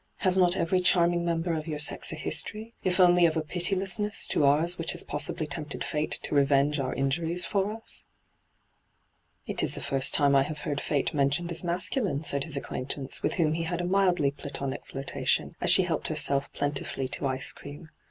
' Has not every charming member of your sex a history, if only of a pitilessness to ours which has possibly tempted fate to revenge our injuqea for us ?'' It is the first time I have heard fate mentioned as mascnline,' said his acquaintance, with whom he had a mildly Platonic fiirtation, as she helped herself plentifully to ice cream.